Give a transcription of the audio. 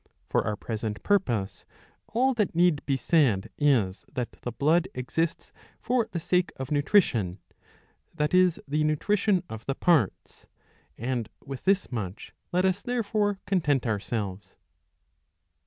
'^ For our present purpose all that need be said is that the blood exists for the sake of nutri tion, that is the nutrition of the parts ; and with this much let us therefore content ourselves.